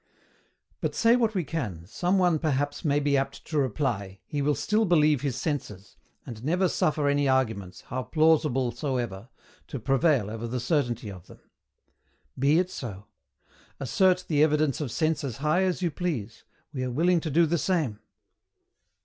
But, say what we can, some one perhaps may be apt to reply, he will still believe his senses, and never suffer any arguments, how plausible soever, to prevail over the certainty of them. Be it so; assert the evidence of sense as high as you please, we are willing to do the same.